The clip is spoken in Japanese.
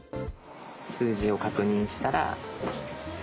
数字を確認したら次。